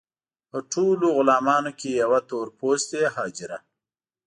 په ټولو غلامانو کې یوه تور پوستې حاجره.